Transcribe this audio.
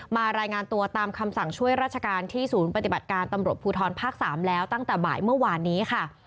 รายงานตัวตามคำสั่งช่วยราชการที่ศูนย์ปฏิบัติการตำรวจภูทรภาค๓แล้วตั้งแต่บ่ายเมื่อวานนี้ค่ะ